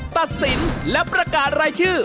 ตัดสินและประกาศรายชื่อ